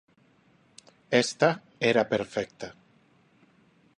Esta era perfecta.